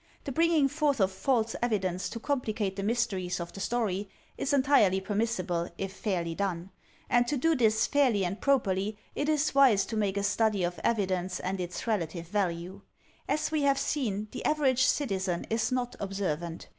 The bringing forth of false evidence to complicate the mysteries of the story, is entirely permissible, if fairly done. And to do this fairly and prop erly it is wise to make a study of evidence and its relative value. As we have seen, the average citizen is not observant.